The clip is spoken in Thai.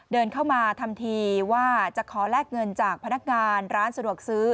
เดินเข้ามาทำทีว่าจะขอแลกเงินจากพนักงานร้านสะดวกซื้อ